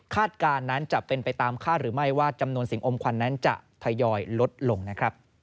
การนั้นจะเป็นไปตามคาดหรือไม่ว่าจำนวนสิ่งอมควันนั้นจะทยอยลดลงนะครับ